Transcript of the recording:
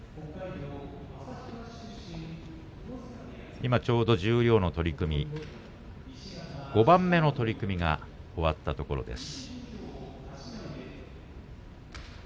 今ちょうど十両の取組５番目の取組が終わったところです。